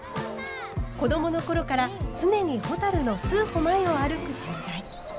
子どもの頃から常にほたるの数歩前を歩く存在。